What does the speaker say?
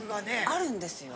あるんですよ。